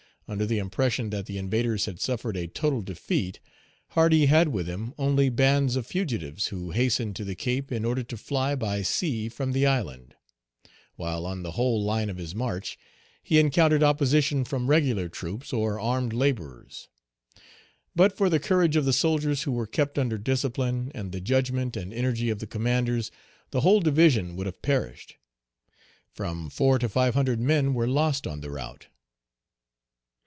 Under the impression that the invaders had suffered a total defeat, Hardy had with him only bands of fugitives who hastened to the Cape in order to fly by sea from the island, while on the whole line of his march, he encountered opposition from regular troops or armed laborers. But for the courage of the soldiers who were kept under discipline, and the judgment and energy of the commanders, the whole division would have perished. From four to five hundred men were lost on the route.